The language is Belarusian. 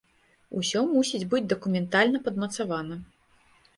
Усё мусіць быць дакументальна падмацавана.